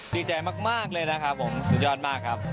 ดีใจมากเลยนะครับผมสุดยอดมากครับ